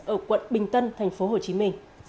ở quận bình tân tp hcm